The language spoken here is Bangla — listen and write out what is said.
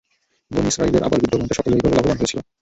বনী ইসরাঈলের আবাল বৃদ্ধবনিতা সকলেই এভাবে লাভবান হয়েছিল।